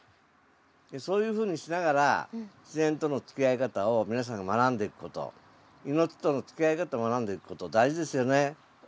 そういうふうにしながら自然とのつきあい方を皆さんが学んでいくこと命とのつきあい方を学んでいくこと大事ですよね。